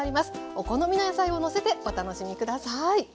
お好みの野菜をのせてお楽しみ下さい。